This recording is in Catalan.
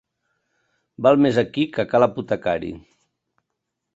Val més aquí que a ca l'apotecari.